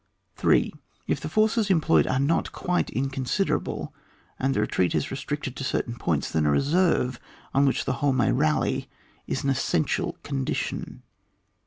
3. If the forces employed are not quite inconsiderable, and the retreat is re stricted to certain x>oint8, then a reserve on which the whole may rally is an es sential condition.